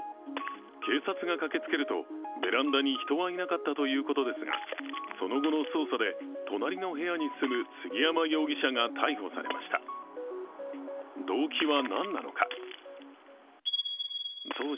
警察が駆けつけると、ベランダに人はいなかったということですがその後の捜査で、隣の部屋に住む杉山容疑者が逮捕されました動機は何なのか。